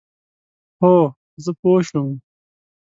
هو، زه پوه شوم،